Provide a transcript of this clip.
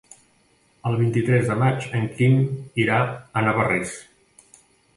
El vint-i-tres de maig en Quim irà a Navarrés.